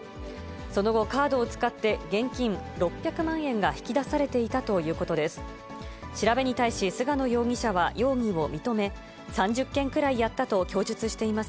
その後、カードを使って現金６００万円が引き出されていたということです。